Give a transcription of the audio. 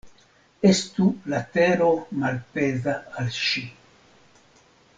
Estu la tero malpeza al ŝi.